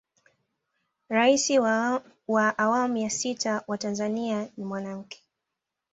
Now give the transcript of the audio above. rais wa awamu ya sita wa tanzania ni mwanamke